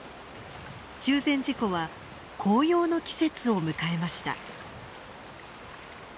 中禅寺湖は紅葉の季節を迎えました。